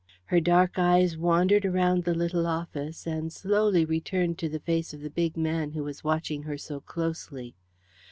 Her dark eyes wandered around the little office, and slowly returned to the face of the big man who was watching her so closely.